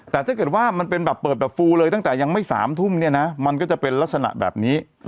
แต่ถ้าเกิดว่ามันเป็นแบบเปิดแบบฟูเลยตั้งแต่ยังไม่๓ทุ่มเนี่ยนะมันก็จะเป็นลักษณะแบบนี้